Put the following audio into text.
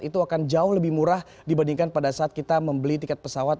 itu akan jauh lebih murah dibandingkan pada saat kita membeli tiket pesawat